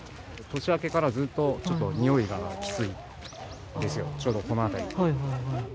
年明けからずっと、ちょっと臭いがきついんですよ、ちょうどこの辺り。